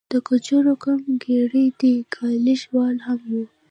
د ګوجرو قوم ګیري دي، ګالیش وال هم